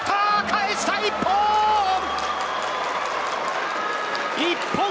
返した、一本！